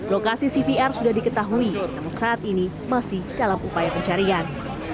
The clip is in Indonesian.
lokasi cvr sudah diketahui namun saat ini masih dalam upaya pencarian